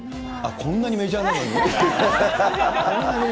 こんなにメジャーなのに。